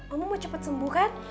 kamu mau cepat sembuh kan